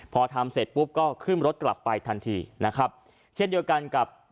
พอทำเสร็จปุ๊บก็ขึ้นรถกลับไปทันทีนะครับเช่นเดียวกันกับ